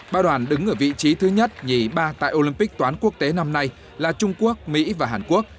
ba đoàn đứng ở vị trí thứ nhất nhì ba tại olympic toán quốc tế năm nay là trung quốc mỹ và hàn quốc